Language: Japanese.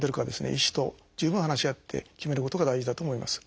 医師と十分話し合って決めることが大事だと思います。